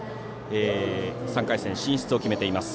３回戦進出を決めています。